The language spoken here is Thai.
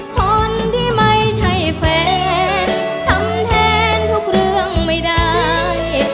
คนที่ไม่ใช่แฟนทำแทนทุกเรื่องไม่ได้